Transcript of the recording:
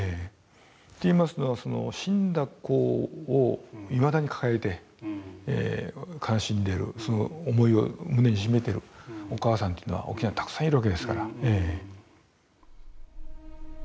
といいますのは死んだ子をいまだに抱えて悲しんでるその思いを胸に秘めてるお母さんというのは沖縄にたくさんいるわけですから。